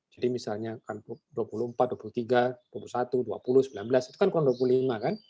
jadi misalnya dua puluh empat dua puluh tiga dua puluh satu dua puluh sembilan belas itu kan kurang dua puluh lima kan